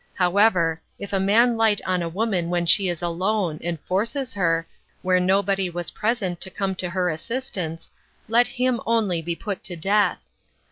However, if a man light on a woman when she is alone, and forces her, where nobody was present to come to her assistance, let him only be put to death.